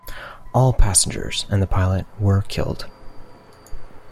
All passengers and the pilot were killed.